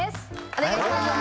お願いします